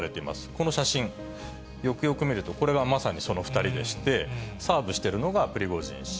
この写真、よくよく見ると、これがまさにその２人でして、サーブしているのがプリゴジン氏。